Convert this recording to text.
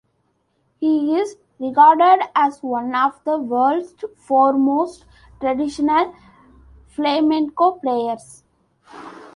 He is regarded as one of the world's foremost traditional flamenco players.